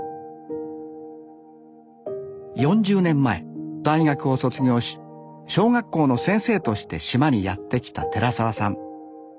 ４０年前大学を卒業し小学校の先生として島にやって来た寺沢さん。